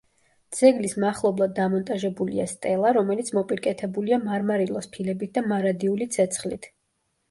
ძეგლის მახლობლად დამონტაჟებულია სტელა, რომელიც მოპირკეთებულია მარმარილოს ფილებით და მარადიული ცეცხლით.